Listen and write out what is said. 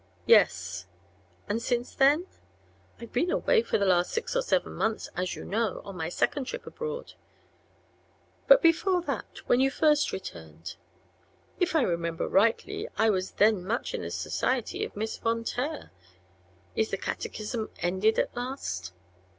"Yes." "And since then?" "I've been away the last six or seven months, as you know, on my second trip abroad." "But before that when you first returned?" "If I remember rightly I was then much in the society of Miss Von Taer. Is the catechism ended at last?"